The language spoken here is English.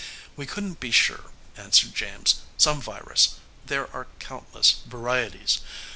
"We couldn't be sure," answered James. "Some virus. There are countless varieties.